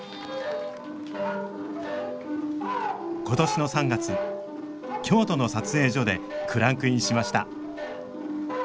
今年の３月京都の撮影所でクランクインしました